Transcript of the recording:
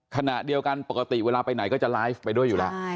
ขณะเดียวกันปกติเวลาไปไหนก็จะไลฟ์ไปด้วยอยู่แล้ว